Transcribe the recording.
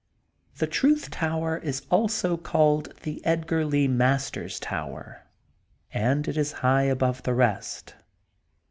The Truth Tower is also called The Edgar Lee Masters Tower, and it is high above the rest.